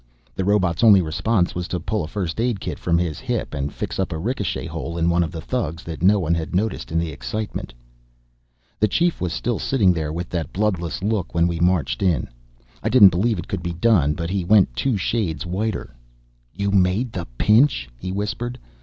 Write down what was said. The robot's only response was to pull a first aid kit from his hip and fix up a ricochet hole in one of the thugs that no one had noticed in the excitement. The Chief was still sitting there with that bloodless look when we marched in. I didn't believe it could be done, but he went two shades whiter. "You made the pinch," he whispered.